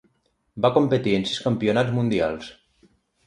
Va competir en sis campionats mundials.